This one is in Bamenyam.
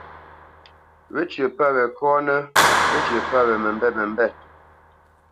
Wécyə̌ pə́ we kɔ́nə́, wécyə̌ pə́ we məmbêt məmbêt.